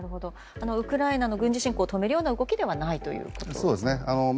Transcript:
ウクライナの軍事侵攻を止めるような動きではないんですか？